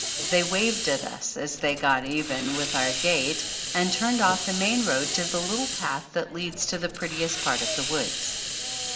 They waved at us as they got even with our gate and turned off the main road to the little path that leads to the prettiest part of the woods.